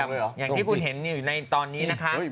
อย่างที่คุณเห็นอยู่ในตอนนี้นะคะ